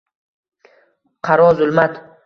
Qaro zulmat